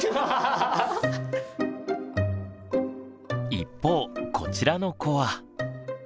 一方こちらの子は。